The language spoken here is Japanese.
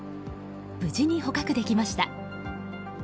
無事に捕獲できました。